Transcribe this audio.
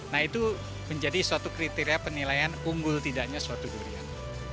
nah itu menjadi suatu kriteria penilaian unggul tidaknya suatu durian